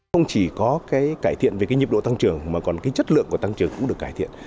không chỉ có cái cải thiện về cái nhiệm độ tăng trưởng mà còn cái chất lượng của tăng trưởng cũng được cải thiện